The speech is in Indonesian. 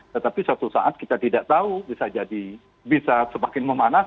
tetapi suatu saat kita tidak tahu bisa semakin memanas